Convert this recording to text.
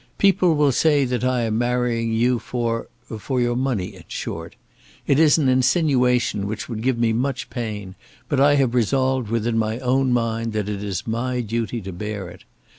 People will say that I am marrying you for, for your money, in short. It is an insinuation which would give me much pain, but I have resolved within my own mind, that it is my duty to bear it.